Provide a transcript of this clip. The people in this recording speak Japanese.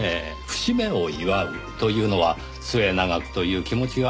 節目を祝うというのは末永くという気持ちがあっての事。